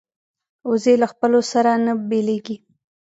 وزې له خپلو سره نه بیلېږي